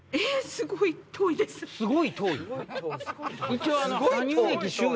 すごい遠い？